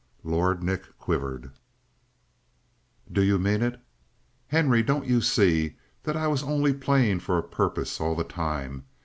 Lord Nick quivered. "Do you mean it?" "Henry, don't you see that I was only playing for a purpose all the time?